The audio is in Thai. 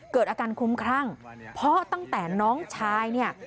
เกิดอาการคุ้มครั่งเพราะตั้งแต่น้องชายเนี่ย